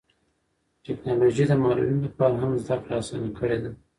ټیکنالوژي د معلولینو لپاره هم زده کړه اسانه کړې ده.